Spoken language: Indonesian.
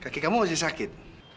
kaki kamu masih sakit